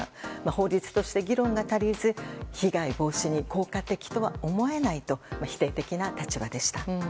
法律として議論が足りず被害防止に効果的とは思えないと、否定的な立場でした。